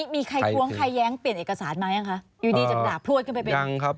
มีใครกว้างใครแย้งเปลี่ยนเอกสารมาหรือยังคะอยู่ดีจากดาบพลวดขึ้นไป